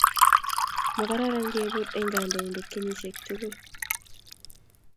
Makararan kibur en kandoinatet kenyishek tugul